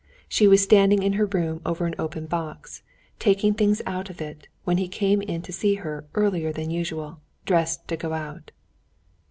She was standing in her room over an open box, taking things out of it, when he came in to see her earlier than usual, dressed to go out.